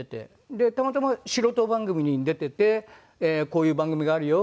でたまたま素人番組に出てて「こういう番組があるよ」